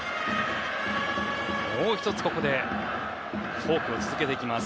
もう１つ、ここでフォークを続けてきます。